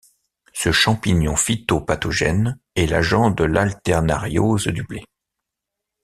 Ce champignon phytopathogène est l'agent de l'alternariose du blé.